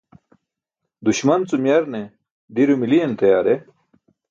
Duśman cum yarne diro miliyan tayaar e?